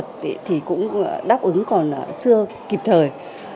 các bệnh viện tuyến huyện thì cũng đáp ứng còn chưa kịp thời